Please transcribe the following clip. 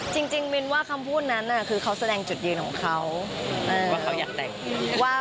จริงมินว่าคำพูดนั้นคือเขาแสดงจุดยืนของเขา